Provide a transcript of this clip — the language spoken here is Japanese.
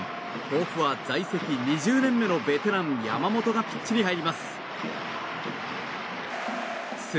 甲府は在籍２０年目のベテラン、山本がピッチに入ります。